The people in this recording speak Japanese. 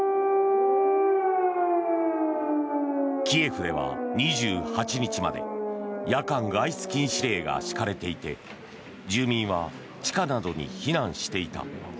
キエフでは２８日まで夜間外出禁止令が敷かれていて住民は地下などに避難していた。